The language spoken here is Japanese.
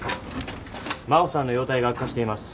真帆さんの容体が悪化しています。